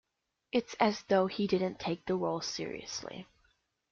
It's as though he didn't take the role seriously.